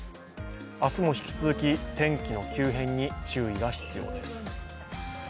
明日も引き続き、天気の急変に注意が必要です。